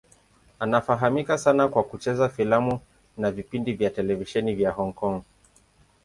Anafahamika sana kwa kucheza filamu na vipindi vya televisheni vya Hong Kong.